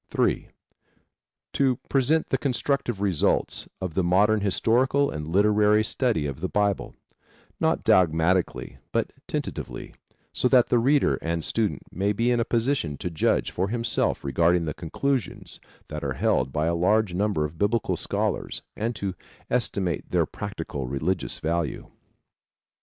(3) To present the constructive results of the modern historical and literary study of the Bible, not dogmatically but tentatively, so that the reader and student may be in a position to judge for himself regarding the conclusions that are held by a large number of Biblical scholars and to estimate their practical religious value.